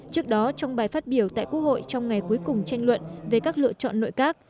trước đó trong bài phát biểu tại quốc hội trong ngày cuối cùng tranh luận về các lựa chọn nội các